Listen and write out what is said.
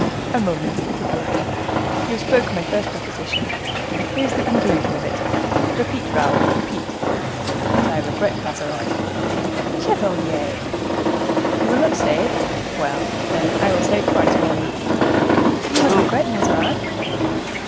"A moment," said the latter; "you have spoken my first proposition, here is the conclusion of it,—repeat, Raoul, repeat: 'But I regret Mazarin.'" "Chevalier!" "You will not say it? Well, then, I will say it twice for you." "But you would regret Mazarin?"